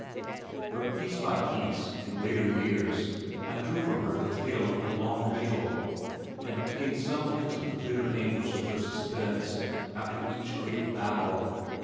But piece by piece in later years I drew from her the tale of her long vigil, and obtained some hint of the bitter anguish of her suspense after each great battle.